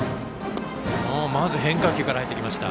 まず変化球から入りました。